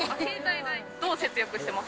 どう節約してます？